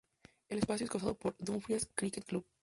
El espacio es usado por el Dumfries Cricket Club.